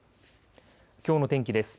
きょうの天気です。